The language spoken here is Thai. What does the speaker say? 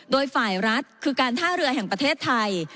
โดยฝ่ายรัฐคือการท่าเรือแห่งประเทศไทย